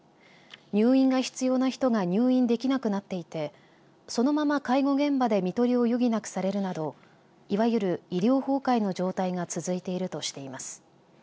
入院が必要な人が入院できなくなっていてそのまま介護現場で看取りを余儀なくされるなどいわゆる、医療崩壊の状態が続いているとしています。